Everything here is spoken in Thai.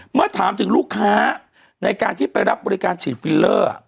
เมื่อถามถึงลูกค้าในการที่ไปรับบริการฉีดฟิลเลอร์